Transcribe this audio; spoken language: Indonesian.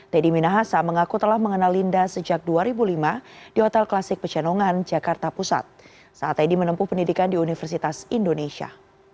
teddy minahasa mengaku telah mengenal linda sejak dua ribu lima di hotel klasik pecenongan jakarta pusat saat teddy menempuh pendidikan di universitas indonesia